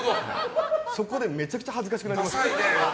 そこでめちゃくちゃ恥ずかしくなります。